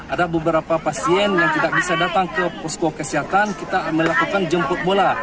ada beberapa pasien yang tidak bisa datang ke posko kesehatan kita melakukan jemput bola